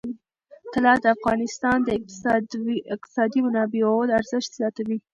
طلا د افغانستان د اقتصادي منابعو ارزښت زیاتوي.